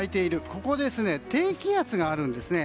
ここに低気圧があるんですね。